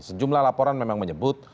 sejumlah laporan memang menyebut